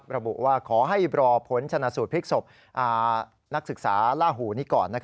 ระบุว่าขอให้รอผลชนะสูตรพลิกศพนักศึกษาล่าหูนี้ก่อน